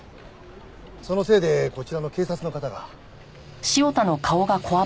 そのせいでこちらの警察の方が。